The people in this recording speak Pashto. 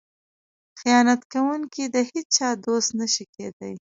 خیانت کوونکی د هیچا دوست نشي کیدی.